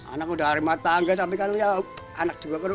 anak itu sudah harimah tangan tapi kan ya anak itu juga kurang